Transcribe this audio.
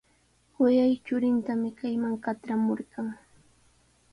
Kuyay churintami kayman katramurqan.